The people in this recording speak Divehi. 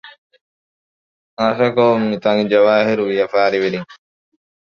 ޚާއްސަކޮށް މިތާނގެ ޖަވާހިރުގެ ވިޔަފާރިވެރީން